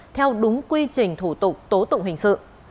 theo đúng quy trình thủ tục tố tụng hình sự